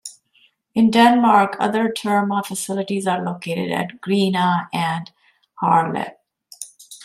In Denmark, other Terma facilities are located at Grenaa and Herlev.